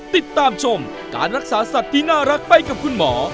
ติดตามชมการรักษาสัตว์ที่น่ารักไปกับคุณหมอ